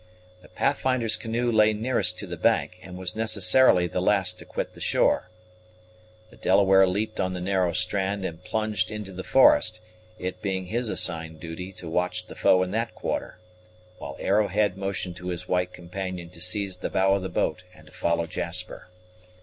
The Pathfinder's canoe lay nearest to the bank, and was necessarily the last to quit the shore. The Delaware leaped on the narrow strand and plunged into the forest, it being his assigned duty to watch the foe in that quarter, while Arrowhead motioned to his white companion to seize the bow of the boat and to follow Jasper.